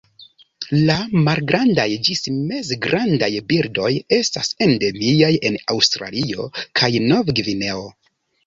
La malgrandaj ĝis mezgrandaj birdoj estas endemiaj en Aŭstralio kaj Nov-Gvineo.